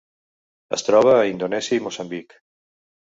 Es troba a Indonèsia i Moçambic.